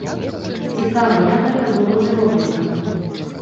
Цікава, як гэта было зроблена.